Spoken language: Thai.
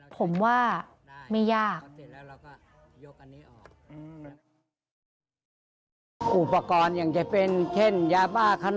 ผมว่าไม่ยาก